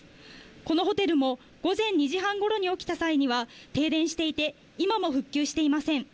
このホテルも午前２時半ごろに起きた際には停電していて、今も復旧していません。